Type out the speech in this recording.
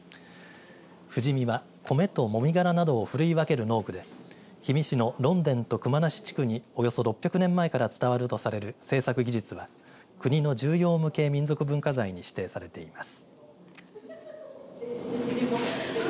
藤箕は米と、もみ殻などをふるい分ける農具で氷見市の論田と熊無地区におよそ６００年前から伝わるとされる製作技術は国の重要無形文化財に指定されています。